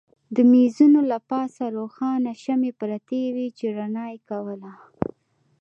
د مېزونو له پاسه روښانه شمعې پرتې وې چې رڼا یې کوله.